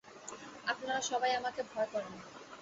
আপনারা সবাই আমাকে ভয় করেন।